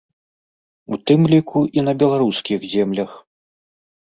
У тым ліку і на беларускіх землях.